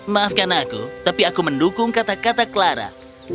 maafkan aku tapi aku mendukung kata kata clara